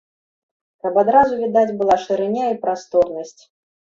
Каб адразу відаць была шырыня і прасторнасць.